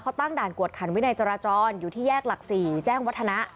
เขาตั้งด่านกวดขันวินัยจราจรอยู่ที่แยกหลัก๔แจ้งวัฒนะ